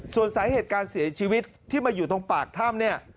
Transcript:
ส่วนสาเหตุการเสียชีวิตที่มาอยู่ตรงปากถ้ำเนี่ย